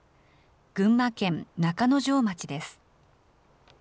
群馬県中之条町です。